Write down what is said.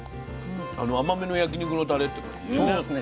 甘めの焼き肉のタレっていう感じでね。